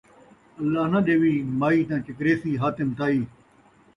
اللہ نہ ݙیوی مئی تاں چکریسی حاتم طائی